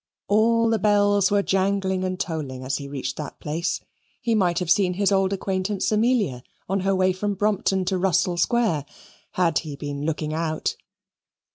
All the bells were jangling and tolling as he reached that place. He might have seen his old acquaintance Amelia on her way from Brompton to Russell Square, had he been looking out.